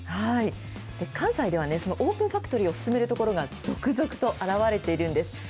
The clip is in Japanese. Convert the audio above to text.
関西では、そのオープンファクトリーを進めるところが続々と現れているんです。